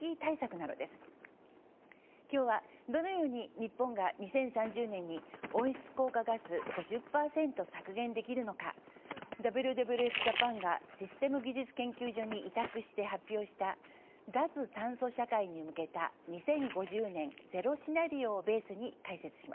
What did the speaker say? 今日はどのように日本が２０３０年に温室効果ガス５０％削減できるのかＷＷＦジャパンがシステム技術研究所に委託して発表した脱炭素社会に向けた２０５０年ゼロシナリオをベースに解説します。